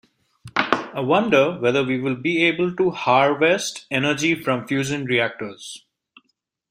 I wonder whether we will be able to harvest energy from fusion reactors.